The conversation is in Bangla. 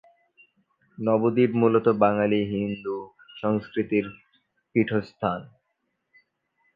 নবদ্বীপ মূলত বাঙালি হিন্দু সংস্কৃতির পীঠস্থান।